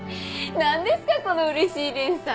何ですかこのうれしい連鎖！